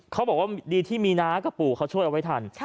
เขาบอกว่าดีที่มีนะก็ปู่เขาช่วยเอาไว้ทัน